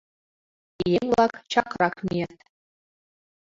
Еҥ-влак чакрак мият.